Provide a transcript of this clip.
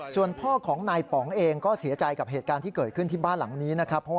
ส่วนพ่อของนายป๋องเองก็เสียใจกับเหตุการณ์ที่เกิดขึ้นที่บ้านหลังนี้นะครับ